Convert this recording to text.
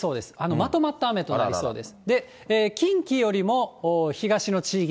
まとまった雨となりそうです。